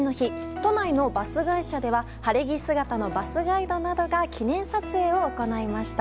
都内のバス会社では晴れ着姿のバスガイドなどが記念撮影を行いました。